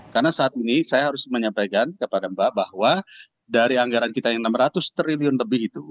karena saat ini saya harus menyampaikan kepada mbak bahwa dari anggaran kita yang enam ratus triliun lebih itu